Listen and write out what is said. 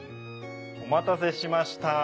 お待たせしました。